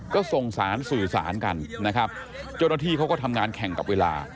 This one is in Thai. ก็ส่งสารสื่อสารกันนะครับเจ้าหน้าที่เขาก็ทำงานแข่งกับเวลา